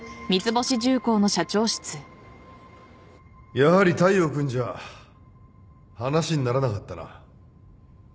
やはり大陽君じゃ話にならなかったな。